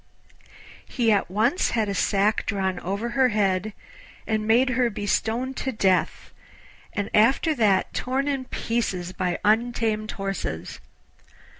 He at once had a sack drawn over her head and made her be stoned to death, and after that torn in pieces by untamed horses.